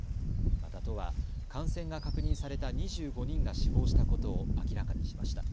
また都は感染が確認された２５人が死亡したことを明らかにしました。